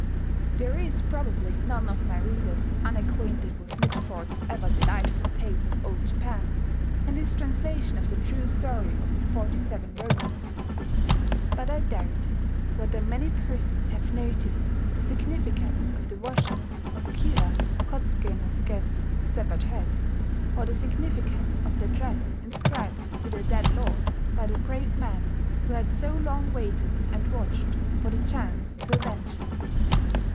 There is probably none of my readers unacquainted with Mitford's ever delightful Tales of Old Japan, and his translation of the true story of the "Forty Seven Ronins." But I doubt whether many persons have noticed the significance of the washing of Kira Kotsuke no Suke's severed head, or the significance of the address inscribed to their dead lord by the brave men who had so long waited and watched for the chance to avenge him.